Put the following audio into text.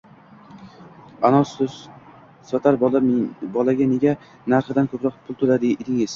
-Anov sutsotar bolaga nega narxidan ko’proq pul to’lab edingiz?